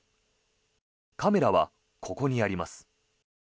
カメラはここにあります。